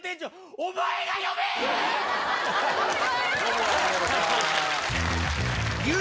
お前が呼べー！